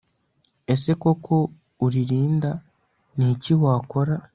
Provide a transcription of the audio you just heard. Ese koko uri Linda Niki wakora